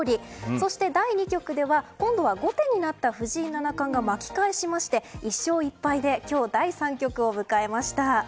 そして、第２局では今度は後手になった藤井七冠が巻き返しまして、１勝１敗で今日、第３局を迎えました。